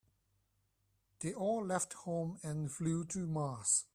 They all left home and flew to Mars.